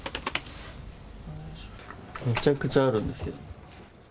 めちゃくちゃあるんですけど。